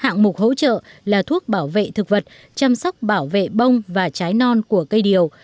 hạng mục hỗ trợ là thuốc bảo vệ thực vật chăm sóc bảo vệ bông và trái non của cây điều